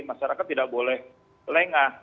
masyarakat tidak boleh lengah